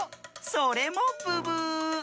それもブブー！